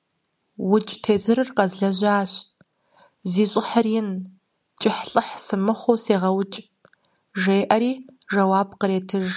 - УкӀ тезырыр къэзлэжьащ, зи щӀыхьыр ин, кӀыхь–лӏыхь сымыхъуу сегъэукӀ, – жеӀэри жэуап къретыж.